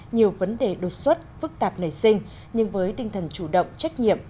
nhiều vấn đề đột xuất phức tạp nảy sinh nhưng với tinh thần chủ động trách nhiệm